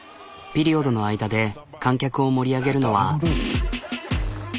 ピリオドの間で観客を盛り上げるのは。